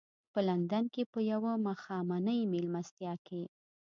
په لندن کې په یوه ماښامنۍ مېلمستیا کې.